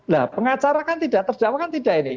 nah pengacara kan tidak terdakwa kan tidak ini